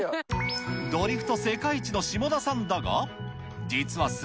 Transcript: ドリフト世界一の下田さんだ